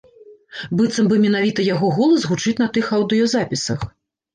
Быццам бы менавіта яго голас гучыць на тых аўдыёзапісах.